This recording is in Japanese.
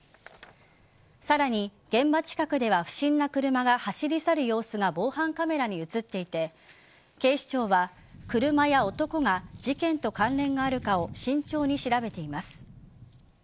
さらに現場近くでは不審な車が走り去る様子が防犯カメラに映っていて警視庁は車や男が事件と関連があるかを慎重に調べています。